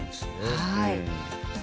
はい。